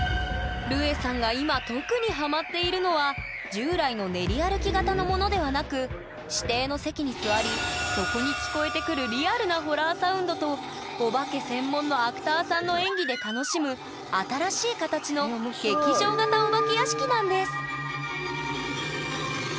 ルエさんが今特にハマっているのは従来の練り歩き型のものではなく指定の席に座りそこに聞こえてくるリアルなホラーサウンドとお化け専門のアクターさんの演技で楽しむ新しい形のうわあ怖い。